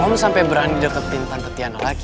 om sampe berani deketin tante ketiana lagi